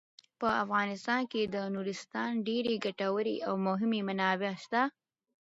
په افغانستان کې د نورستان ډیرې ګټورې او مهمې منابع شته.